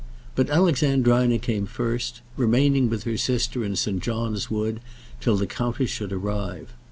But Alexandrina came first, remaining with her sister in St. John's Wood till the countess should arrive.